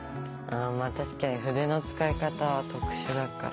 確かに筆の使い方は特殊だから。